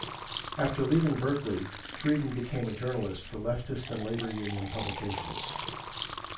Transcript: After leaving Berkeley, Friedan became a journalist for leftist and labor union publications.